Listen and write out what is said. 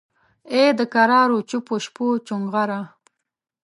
ای دکرارو چوپو شپو چونغره!